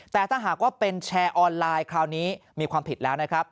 แต่ถ้าหากว่าเป็นแชร์ออนไลน์คราวนี้มีความผิดแล้วนะครับ